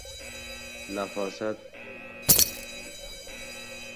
Nafosat — bu ma’naviy ezgulik ramzidir.